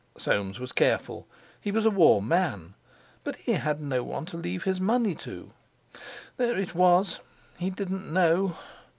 Soames was careful; he was a warm man; but he had no one to leave his money to. There it was! He didn't know!